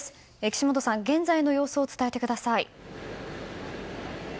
岸本さん、現在の様子を伝えてください。